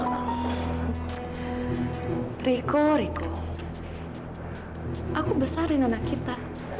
aku riko riko aku besarin anak kita